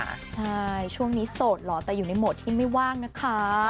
ใช่ช่วงนี้โสดหรอแต่อยู่ในโหมดที่ไม่ว่างนะคะ